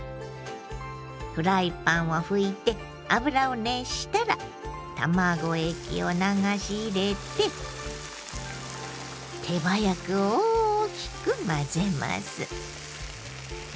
フライパンを拭いて油を熱したら卵液を流し入れて手早く大きく混ぜます。